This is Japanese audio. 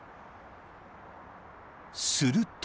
［すると］